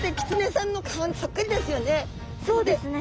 そうですね。